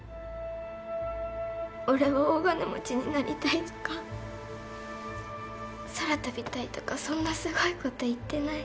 俺は大金持ちになりたいとか空飛びたいとかそんなすごいこと言ってない。